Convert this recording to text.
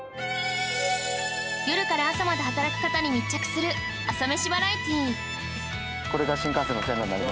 夜から朝まで働く方に密着する朝メシバラエティー。